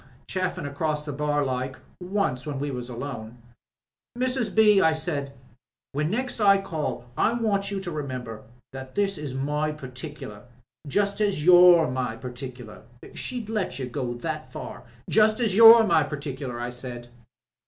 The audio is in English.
Chaffin across the bar like, once when we were alone, *Mrs. B.,' I said, 'when next I call I want you to remember that this is my particular — just as you're my particular ?' (She'd let you go that far!) 'Just as you're my par ticular,' I said.